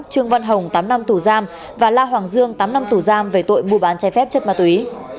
trương văn hồng tám năm tù giam và la hoàng dương tám năm tù giam về tội mua bán chai phép chất ma túy